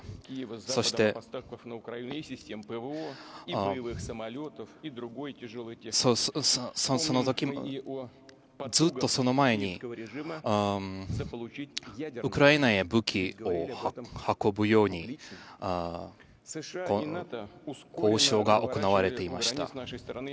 そして、ずっとその前にウクライナへ武器を運ぶように交渉が行われていました。